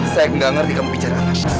saya gak mengerti kamu bicara apa